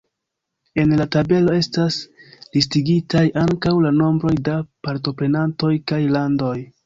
En la tabelo estas listigitaj ankaŭ la nombroj da partoprenantoj kaj landoj.